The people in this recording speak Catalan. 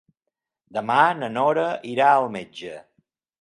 Demà na Nora irà al metge.